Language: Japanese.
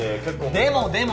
でもでも」